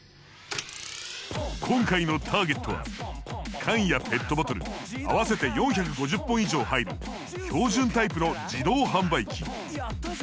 今回のターゲットは缶やペットボトル合わせて４５０本以上入る標準タイプの自動販売機。